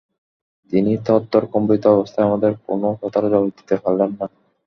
তিনি থরথর কম্পিত অবস্থায় আমাদের কোনো কথার জবাব দিতে পারলেন না।